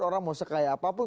orang mau sekaya apapun